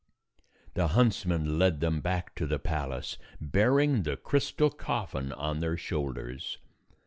The huntsman led them back to the palace, bearing the crystal coffin on their shoulders.